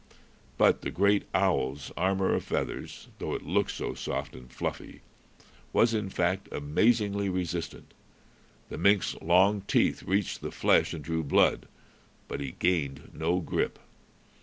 But the great owl's armor of feathers, though it looked so soft and fluffy, was in fact amazingly resistant. The mink's long teeth reached the flesh and drew blood, but he gained no grip.